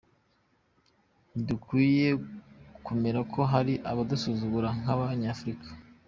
Ntidukwiye kwemera ko hari abadusuzugura nk’abanyafurika.